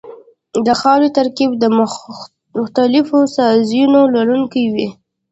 د خاورې ترکیب د مختلفو سایزونو لرونکی وي